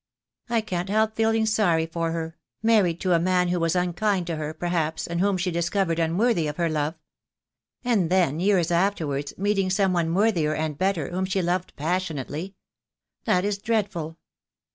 I can't help feeling sorry for her — married to a man who was unkind to her, perhaps, and whom she discovered unworthy of her love. And then years afterwards meeting some one worthier and better, whom she loved passionately. That is dreadful!